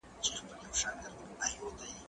زه هره ورځ ښوونځی ځم!؟